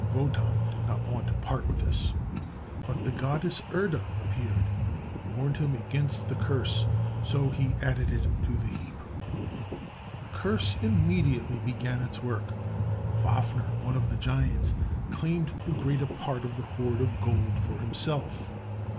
Wotan did not want to part with this, but the goddess Erda appeared and warned him against the curse, so he added it to the heap. The curse immediately began its work. Fafner, one of the giants, claimed the greater part of the hoard of gold for himself.